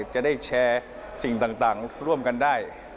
จะได้แชร์สิ่งต่างร่วมกันได้